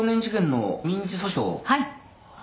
はい。